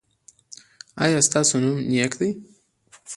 ایا ستاسو نوم نیک دی؟